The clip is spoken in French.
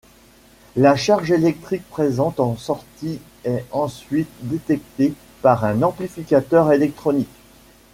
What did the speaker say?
La charge électrique présente en sortie est ensuite détectée par un amplificateur électronique.